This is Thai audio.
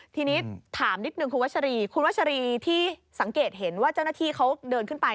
ทีนี้ถามนิดนึงคุณวัชรีคุณวัชรีที่สังเกตเห็นว่าเจ้าหน้าที่เขาเดินขึ้นไป